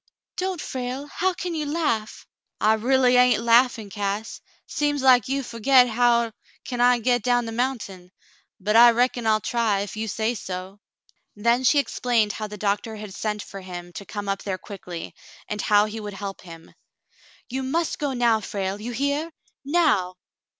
"Don't, Frale. How can you laugh .f^" "I ra'ly hain't laughin', Cass. Seems like you fo'get how can I get down the mountain; but I reckon I'll try — if you say so." Then she explained how the doctor had sent for him to come up there quickly, and how he would help him. "You must go now, Frale, you hear .^^ Now!"